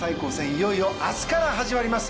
いよいよ明日から始まります。